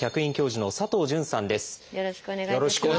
よろしくお願いします。